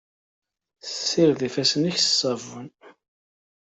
Ssired ifassen-ik s ṣṣabun.